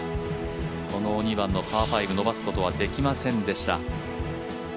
この２番のパー５伸ばすことはできませんでした。